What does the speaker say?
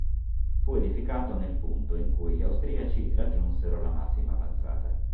Fu edificato nel punto in cui gli austriaci raggiunsero la massima avanzata.